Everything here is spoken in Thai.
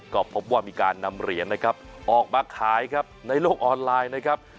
ก็พบว่ามีการนำเหรียญออกมาขายในโลกออนไลน์